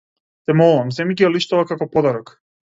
Те молам, земи ги алиштава како подарок.